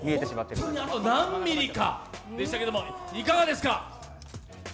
本当にあと何ミリかでしたけれどもいかがですか？